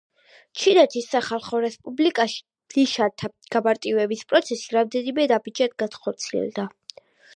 ჩინეთის სახალხო რესპუბლიკაში ნიშანთა გამარტივების პროცესი რამდენიმე ნაბიჯად განხორციელდა.